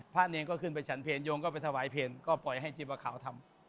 เนรก็ขึ้นไปฉันเพลโยงก็ไปถวายเพลก็ปล่อยให้ชีพะขาวทำ